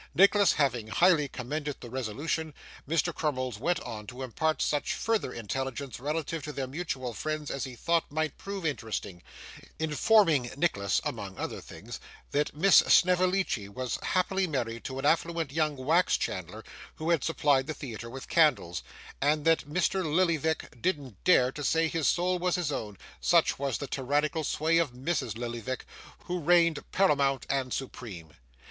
Nicholas, having highly commended the resolution, Mr. Crummles went on to impart such further intelligence relative to their mutual friends as he thought might prove interesting; informing Nicholas, among other things, that Miss Snevellicci was happily married to an affluent young wax chandler who had supplied the theatre with candles, and that Mr. Lillyvick didn't dare to say his soul was his own, such was the tyrannical sway of Mrs Lillyvick, who reigned paramount and supreme.